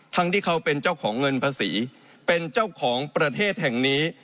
ที่เขาเป็นเจ้าของเงินภาษีเป็นเจ้าของประเทศแห่งนี้